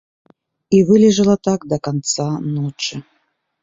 І вылежала так да канца ночы.